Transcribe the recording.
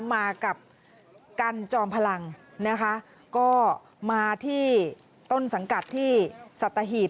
มากับกันจอมพลังนะคะก็มาที่ต้นสังกัดที่สัตหีบ